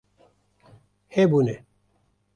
Hebûne